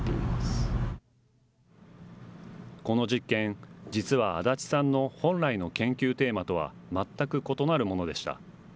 この実験、実は足立さんの本来の研究テーマとは全く異なるものでした。